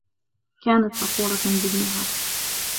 كانت فخورة بإبنها.